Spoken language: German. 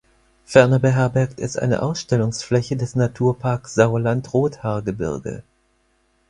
Ferner beherbergt es eine Ausstellungsfläche des Naturparks Sauerland-Rothaargebirge.